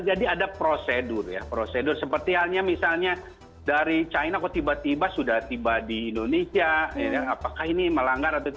jadi ada prosedur seperti misalnya dari china kok tiba tiba sudah tiba di indonesia apakah ini melanggar